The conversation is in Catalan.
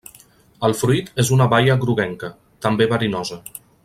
El fruit és una baia groguenca, també verinosa.